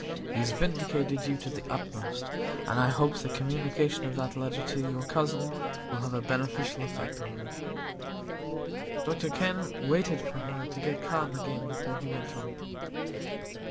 He has vindicated you to the utmost; and I hope the communication of that letter to your cousin will have a beneficial effect on her." Dr Kenn waited for her to get calm again before he went on.